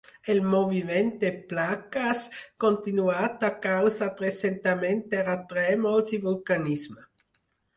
El moviment de plaques continuat ha causat recentment terratrèmols i vulcanisme.